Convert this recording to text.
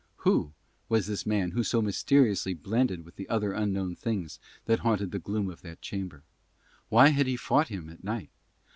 Who was this man who so mysteriously blended with the other unknown things that haunted the gloom of that chamber? Why had he fought him at night?